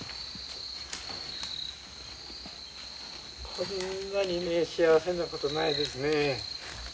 こんなに幸せなことないですね。